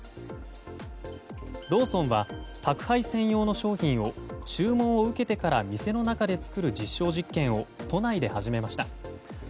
ローソンは宅配専用の商品を注文を受けてから店の中で作る実証実験を都内で始めました。